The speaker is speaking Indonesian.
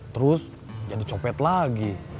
terus jadi copet lagi